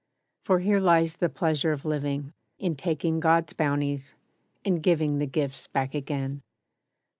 For here lies the pleasure of living: In taking God's bounties, and giving The gifts back again.